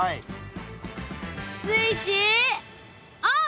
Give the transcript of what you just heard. スイッチオン。